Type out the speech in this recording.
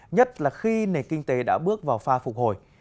nhất là khi nền kinh tế đã bước vào pha phục hồi